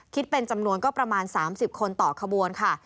เป็นจำนวนก็ประมาณ๓๐คนต่อขบวนค่ะ